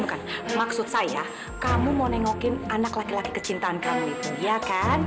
bukan maksud saya kamu mau nengokin anak laki laki kecintaan kamu itu iya kan